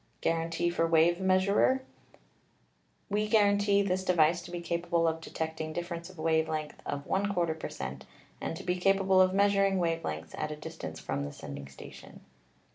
Guarantee for wave measurer: "We guarantee this device to be capable of detecting difference of wave length of 34 P er cent., and to be capable of measuring* wave lengths at a distance from the sending station."